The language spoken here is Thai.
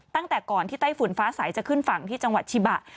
ตั้งแต่ก่อนที่ไต้ฝุ่นฟ้าใสจะขึ้นฝั่งที่จังหวัดชิบะ